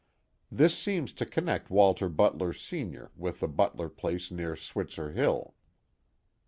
This seems to connect Walter Butler, senior, with the Butler place near Switzcr Hill.